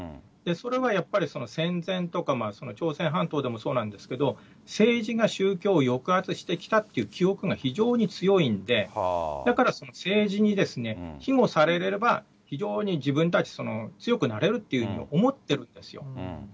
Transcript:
それはやっぱり、戦前とか朝鮮半島でもそうなんですけれども、政治が宗教を抑圧してきたっていう記憶が非常に強いんで、だから政治にひごされれば非常に自分たち強くなれるっていうふうに思ってるんですよ。